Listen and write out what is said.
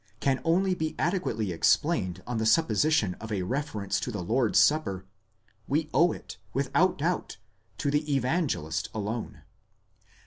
can only be adequately explained on the supposition of a refer ence to the Lord's Supper, we owe it, without doubt, to the Evangelist alone.